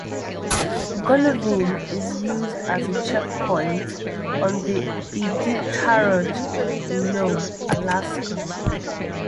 Golovin is used as a checkpoint on the Iditarod in Nome, Alaska.